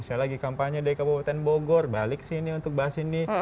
saya lagi kampanye di kabupaten bogor balik sini untuk bahas ini